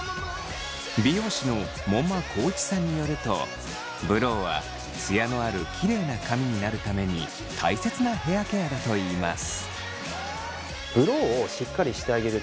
美容師の門馬宏一さんによるとブローはツヤのあるキレイな髪になるために大切なヘアケアだといいます。